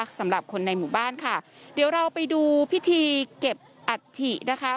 สำหรับคนในหมู่บ้านค่ะเดี๋ยวเราไปดูพิธีเก็บอัฐินะคะ